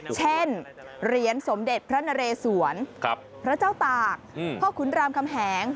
เช่นเหรียญสมเด็จพระนเรศวรพระเจ้าตากพ่อขุนรามคำแหง